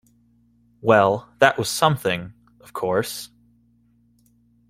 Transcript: Well, that was something, of course.